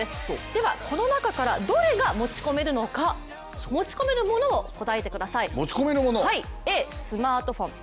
では、この中からどれが持ち込めるのか、持ち込めるものを答えてください。